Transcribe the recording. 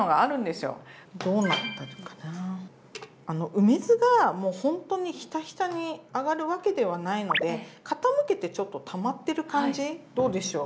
梅酢がもうほんとにヒタヒタに上がるわけではないので傾けてちょっとたまってる感じどうでしょう。